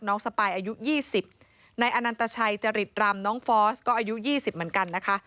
สปายอายุ๒๐นายอนันตชัยจริตรำน้องฟอสก็อายุ๒๐เหมือนกันนะคะ